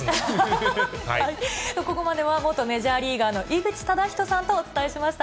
ここまでは元メジャーリーガーの井口資仁さんとお伝えしました。